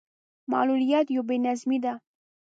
معلوليت يو بې نظمي ده.